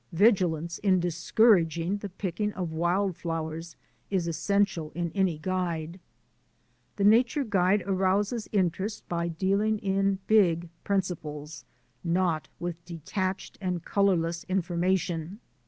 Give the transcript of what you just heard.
Vigilance in discouraging the picking of wild flowers is essential in any guide. The nature guide arouses interest by dealing in big principles — not with detached and colourless information.